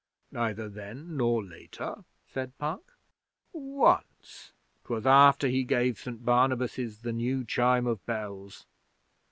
'Neither then nor later?' said Puck. 'Once. 'Twas after he gave St Barnabas' the new chime of bells.